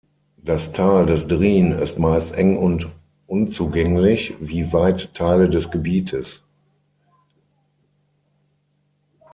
Das Tal des Drin ist meist eng und unzugänglich, wie weite Teile des Gebietes.